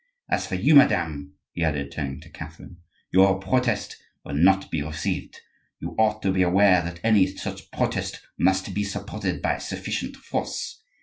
As for you, madame," he added, turning to Catherine; "your protest will not be received; you ought to be aware that any such protest must be supported by sufficient force.